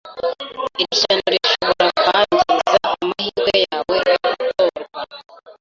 Iri shyano rishobora kwangiza amahirwe yawe yo gutorwa